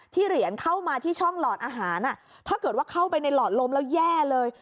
เหรียญเข้ามาที่ช่องหลอดอาหารถ้าเกิดว่าเข้าไปในหลอดลมแล้วแย่เลย